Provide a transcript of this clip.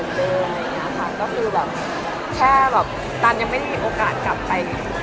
แค่ว่าก่อนนี้ว่านายยังไม่เห็นโอกาสกลับไป